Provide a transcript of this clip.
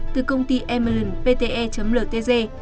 từ công ty emerald pte ltg